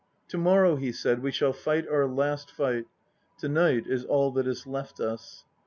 "To morrow," he said, "we shall fight our last fight. To night is all that is left us."